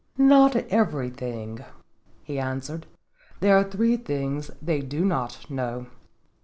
"Not everything," he answered; "there are three things they do not know."